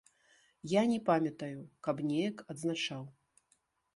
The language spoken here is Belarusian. Я не памятаю, каб неяк адзначаў.